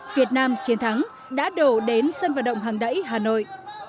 việt nam chiến thắng đã đổ đến sân vận động hàng đẩy hà nội